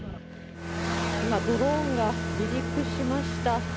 今ドローンが離陸しました。